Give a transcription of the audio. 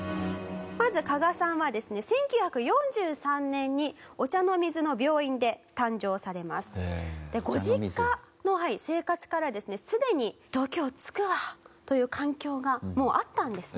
まず加賀さんはですねご実家の生活からですねすでに度胸つくわという環境がもうあったんですね。